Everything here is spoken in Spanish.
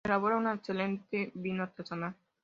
Se elabora un excelente vino artesanal.